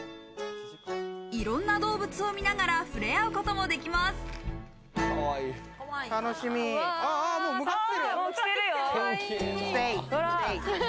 いろんな動物を見ながら触れ合うこともできます。